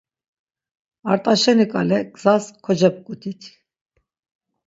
Art̆aşeni ǩale gzas kocebgutit.